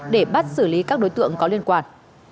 để bắt xử lý các đối tượng có liên quan